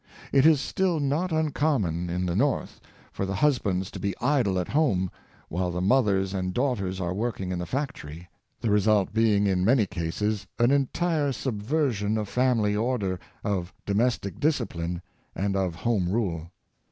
It is still not uncommon in the North for the hus bands to be idle at home, while the mothers and daugh ters are working in the factory, the result being in many cases, an entire subversion of family order, of do mestic discipline, and of home rule.